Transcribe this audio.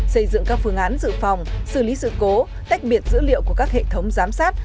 xây dựng các phương án dự phòng xử lý sự cố tách biệt dữ liệu của các hệ thống giám sát